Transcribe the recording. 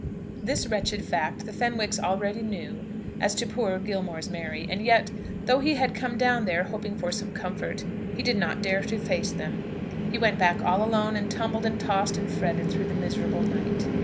This wretched fact the Fenwicks already knew as to poor Gilmore's Mary; and yet, though he had come down there, hoping for some comfort, he did not dare to face them. He went back all alone, and tumbled and tossed and fretted through the miserable night.